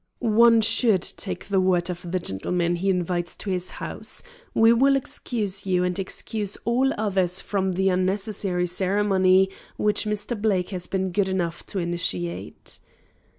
"One should take the word of the gentleman he invites to his house. We will excuse you, and excuse all the others from the unnecessary ceremony which Mr. Blake has been good enough to initiate."